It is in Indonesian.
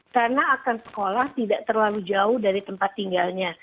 karena akan sekolah tidak terlalu jauh dari tempat tinggalnya